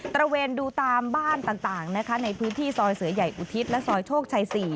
ระเวนดูตามบ้านต่างนะคะในพื้นที่ซอยเสือใหญ่อุทิศและซอยโชคชัย๔